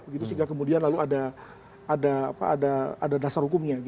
sehingga kemudian ada dasar hukumnya